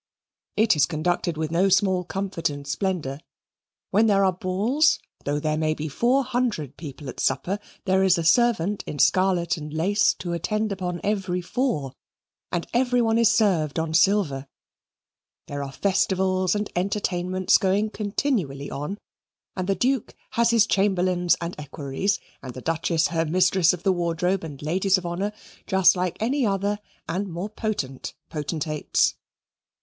It is conducted with no small comfort and splendour. When there are balls, though there may be four hundred people at supper, there is a servant in scarlet and lace to attend upon every four, and every one is served on silver. There are festivals and entertainments going continually on, and the Duke has his chamberlains and equerries, and the Duchess her mistress of the wardrobe and ladies of honour, just like any other and more potent potentates.